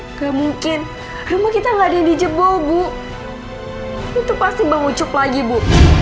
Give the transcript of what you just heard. nggak mungkin rumah kita nggak ada yang di jebol bu itu pasti bang ucup lagi bu